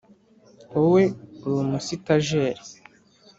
wowe uri umusitajeri.